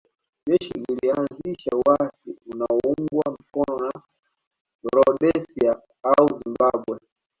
Jeshi lilianzisha uasi unaoungwa mkono na Rhodesia au Zimbabwe